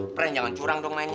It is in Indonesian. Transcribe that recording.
trend jangan curang dong mainnya